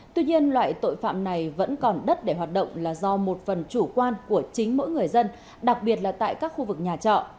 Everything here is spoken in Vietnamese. tuy nhiên loại tội phạm này vẫn còn đất để hoạt động là do một phần chủ quan của chính mỗi người dân đặc biệt là tại các khu vực nhà trọ